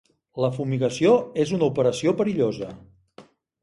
La fumigació és una operació perillosa.